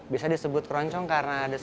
bisa disebut keroncong karena ada suara ruangan